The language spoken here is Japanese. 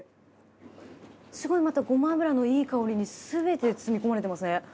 すごいまたごま油のいい香りにすべて包み込まれてますね。